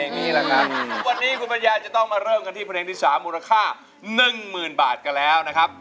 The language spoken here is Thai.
วันนี้คุณผู้ลูกปรับยาจะต้องมาเริ่มกันที่เพลงที่๓มูลค่า๑๐๐๐๐บาทก็แล้วนะครับ